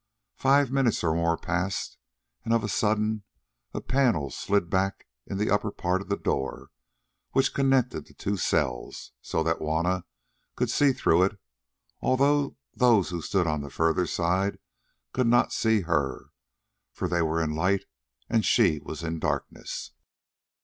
Five minutes or more passed, and of a sudden a panel slid back in the upper part of the door which connected the two cells, so that Juanna could see through it, although those who stood on the further side could not see her, for they were in light and she was in darkness.